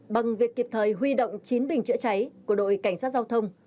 bằng việc kịp thời huy động chín bình chữa cháy của đội cảnh sát giao thông